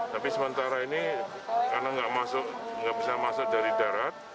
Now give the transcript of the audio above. tapi sementara ini karena nggak bisa masuk dari darat